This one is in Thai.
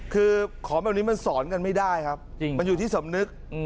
คือของแบบนี้มันสอนกันไม่ได้ครับมันอยู่ที่สำนึก